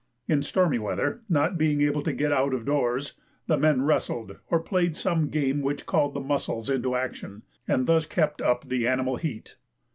In stormy weather, not being able to get out of doors, the men wrestled or played some game which called the muscles into action, and thus kept up the animal heat.